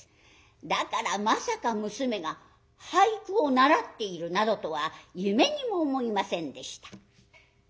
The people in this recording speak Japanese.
だからまさか娘が俳句を習っているなどとは夢にも思いませんでした。